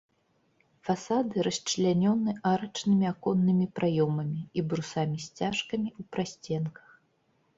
Фасады расчлянёны арачнымі аконнымі праёмамі і брусамі-сцяжкамі ў прасценках.